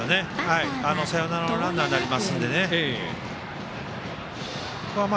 サヨナラのランナーになりますので。